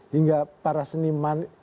hingga para seniman